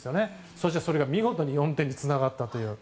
そしてそれが見事に４点につながったという。